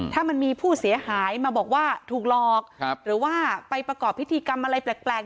ถ้ามันมีผู้เสียหายมาบอกว่าถูกหลอกหรือว่าไปประกอบพิธีกรรมอะไรแปลก